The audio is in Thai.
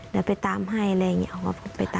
แล้วไปตามให้อะไรอย่างนี้